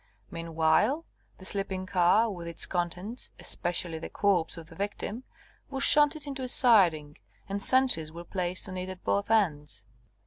Meanwhile, the sleeping car, with its contents, especially the corpse of the victim, was shunted into a siding, and sentries were placed on it at both ends.